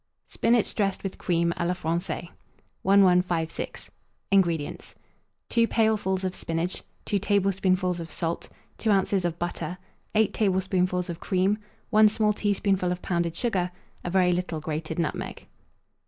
SPINACH DRESSED WITH CREAM, a la Francaise. 1156. INGREDIENTS. 2 pailfuls of spinach, 2 tablespoonfuls of salt, 2 oz. of butter, 8 tablespoonfuls of cream, 1 small teaspoonful of pounded sugar, a very little grated nutmeg.